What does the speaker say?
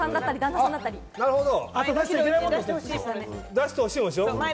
出してほしいものでしょ？